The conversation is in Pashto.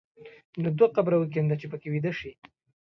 نو دوه قبره وکینده چې په کې ویده شې.